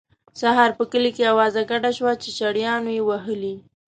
سهار په کلي کې اوازه ګډه شوه چې چړیانو یې وهلی.